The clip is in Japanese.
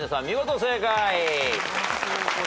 見事正解。